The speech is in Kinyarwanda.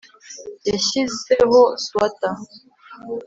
yashyizeho swater